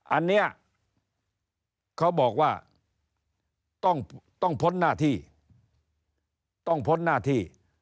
อันนี้เขาบอกว่าต้องพ้นหน้าที่